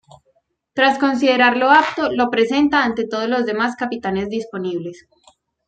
Tras considerarlo apto lo presenta ante todos los demás Capitanes disponibles.